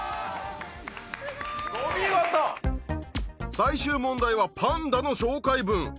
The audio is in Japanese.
最終問題はパンダの紹介文。